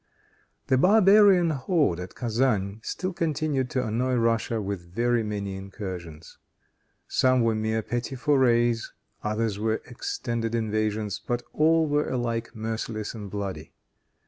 The barbarian horde at Kezan still continued to annoy Russia with very many incursions. Some were mere petty forays, others were extended invasions, but all were alike merciless and bloody.